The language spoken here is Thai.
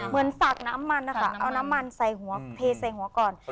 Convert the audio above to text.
เหมือนสักน้ำมันเอาให้ไทงหวก่อน